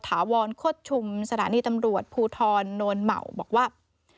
ถาวรโคตรชุมสถานีตำรวจภูทรโนนเหมาบอกว่า